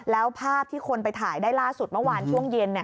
แล้วภาพที่คนไปถ่ายได้ล่าสุดเมื่อวานช่วงเย็น